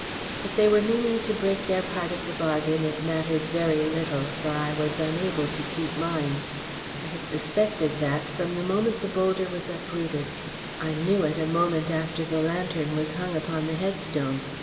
If they were meaning to break their part of the bargain it mattered very little, for I was unable to keep mine. I had suspected that from the moment the boulder was uprooted; I knew it a moment after the lantern was hung upon the headstone.